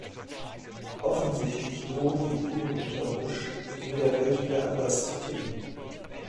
Offensichtlich drohen die Uhren unter Bush in der Welt wieder anders zu ticken.